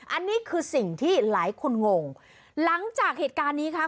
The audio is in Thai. อันนี้คือสิ่งที่หลายคนงงหลังจากเหตุการณ์นี้ค่ะ